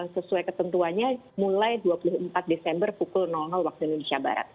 sesuai ketentuannya mulai dua puluh empat desember pukul waktu indonesia barat